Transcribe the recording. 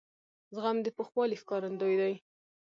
زغم د پوخوالي ښکارندوی دی.